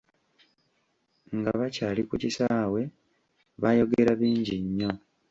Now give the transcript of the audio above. Nga bakyali ku kisaawe baayogera bingi nnyo.